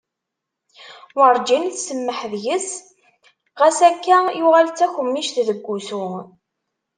Werǧin tsemmeḥ deg-s ɣas akka yuɣal d takemmict deg wussu.